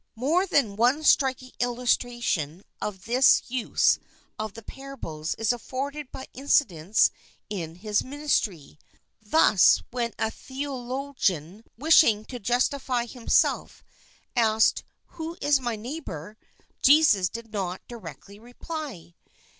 More than one striking illustration of this INTRODUCTION his use of parables is afforded by incidents in his ministry. Thus, when a theologian wishing to justify himself, asked Who is my neighbour ? Jesus did not directly reply.